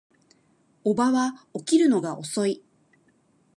叔母は起きるのが遅い